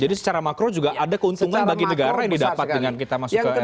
jadi secara makro juga ada keuntungan bagi negara yang didapat dengan kita masuk ke rrtv digital